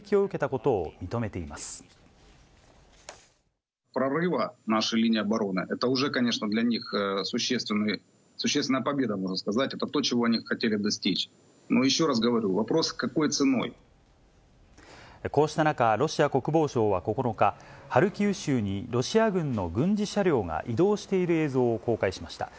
こうした中、ロシア国防省は９日、ハルキウ州にロシア軍の軍事車両が移動している映像を公開しました。